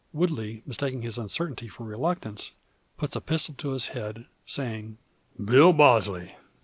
Woodley mistaking his uncertainty for reluctance, puts a pistol to his head, saying: "Bill Bosley!